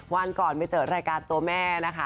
วันก่อนไปเจอรายการตัวแม่นะคะ